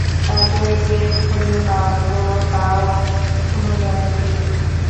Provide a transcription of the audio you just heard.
তাকে যে খুঁজে পাবো তারও কোন গ্যারান্টি নেই।